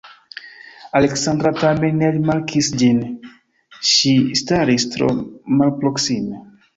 Aleksandra tamen ne rimarkis ĝin; ŝi staris tro malproksime.